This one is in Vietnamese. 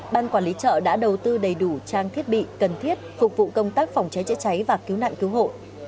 ban quản lý chợ đã đầu tư đầy đủ trang thiết bị cần thiết phục vụ công tác phòng cháy chữa cháy và cứu nạn cứu hộ